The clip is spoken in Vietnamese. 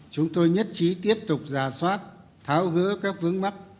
chúng tôi nhất trí tiếp tục giả soát tháo gỡ các vướng mắt